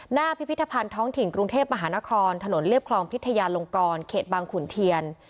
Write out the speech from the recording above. พิพิธภัณฑ์ท้องถิ่นกรุงเทพมหานครถนนเรียบคลองพิทยาลงกรเขตบางขุนเทียน